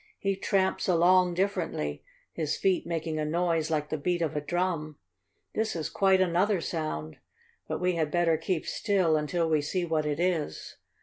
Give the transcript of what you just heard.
"He tramps along differently, his feet making a noise like the beat of a drum. This is quite another sound. But we had better keep still until we see what it is."